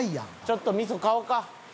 ちょっと味噌買おうか。